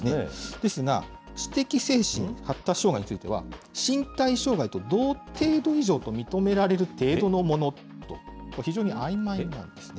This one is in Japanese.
ですが、知的、精神、発達障害については、身体障害と同程度以上認められる程度のものと、非常にあいまいなんですね。